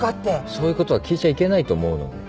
そういうことは聞いちゃいけないと思うので。